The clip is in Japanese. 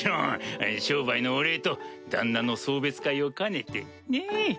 商売のお礼と旦那の送別会を兼ねてねぇ？